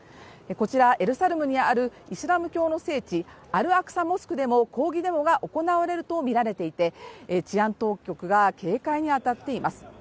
こちらエルサレムにあるイスラム教の聖地、アルアクサ・モスクでも抗議デモが行われるとみられていて治安当局が警戒に当たっています。